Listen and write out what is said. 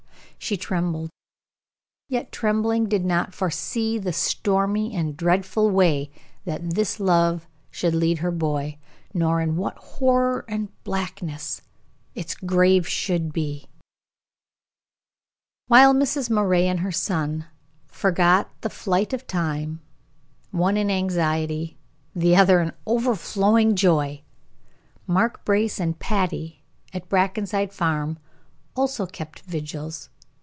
She trembled; yet trembling did not foresee the stormy and dreadful way that this love should lead her boy, nor in what horror and blackness its grave should be! While Mrs. Moray and her son forgot the flight of time, one in anxiety, the other in overflowing joy, Mark Brace and Patty, at Brackenside Farm, also kept vigils.